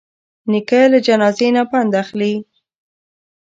نیکه له جنازې نه پند اخلي.